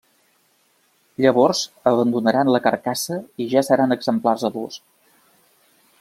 Llavors abandonaran la carcassa i ja seran exemplars adults.